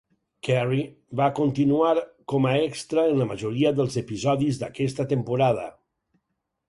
Kerry va continuar com a extra en la majoria dels episodis d'aquesta temporada.